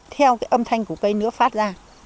theo cái âm thanh của cây nứa phát ra